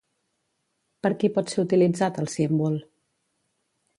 Per qui pot ser utilitzat el símbol?